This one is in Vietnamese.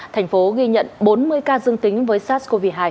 thành phố ghi nhận bốn mươi ca dương tính với sars cov hai